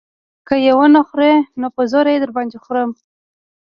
که يې ونه خورې نو په زور يې در باندې خورم.